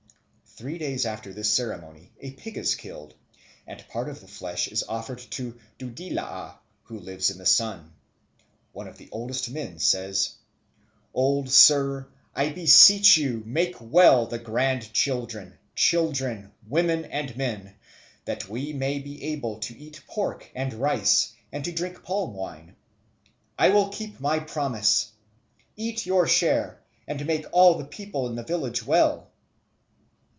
Three days after this ceremony a pig is killed, and part of the flesh is offered to Dudilaa, who lives in the sun. One of the oldest men says, "Old sir, I beseech you make well the grand children, children, women, and men, that we may be able to eat pork and rice and to drink palmwine. I will keep my promise. Eat your share, and make all the people in the village well."